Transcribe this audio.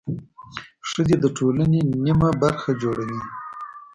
ښځې د ټولنې نميه برخه جوړوي.